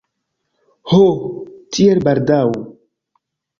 Ho, tiel baldaŭ!